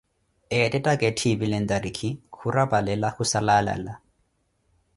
Ettettaka etthipile ntarikhi, khurapalela khusala alala.